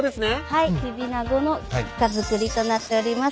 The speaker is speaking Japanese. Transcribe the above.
はいきびなごの菊花造りとなっております